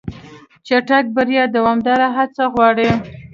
چټک بریا دوامداره هڅه غواړي.